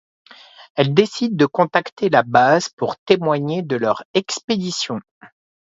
Elle décide de contacter la base pour témoigner de leur expédition.